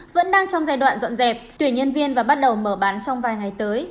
vẫn đang trong giai đoạn dọn dẹp tuyển nhân viên và bắt đầu mở bán trong vài ngày tới